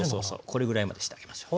これぐらいまでしてあげましょう。